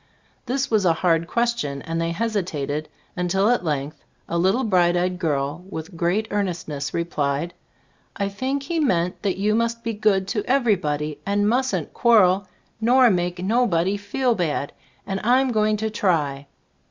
This was a hard question, and they hesitated, un til at length a little bright eyed girl with great earnestness replied: "I think He meant that you must be good to everybody, and mustn't quarrel nor make nobody feel bad, and Fm go ing to try."